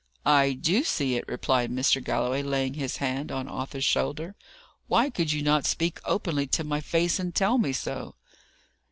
"I do see it," replied Mr. Galloway, laying his hand on Arthur's shoulder. "Why could you not speak openly to my face and tell me so?"